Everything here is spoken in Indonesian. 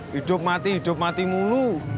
hidup mati hidup mati mulu